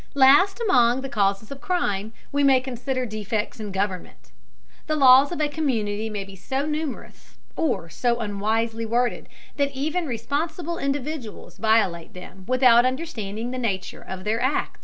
Last among the causes of crime we may consider defects in government. The laws of a community may be so numerous, or so unwisely worded, that even responsible individuals violate them without understanding the nature of their act.